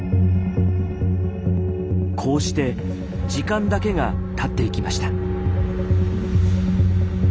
こうして時間だけがたっていきました。